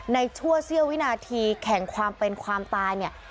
ชั่วเสี้ยววินาทีแข่งความเป็นความตายเนี่ย